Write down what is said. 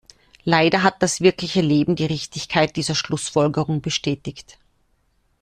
Leider hat das wirkliche Leben die Richtigkeit dieser Schlussfolgerung bestätigt.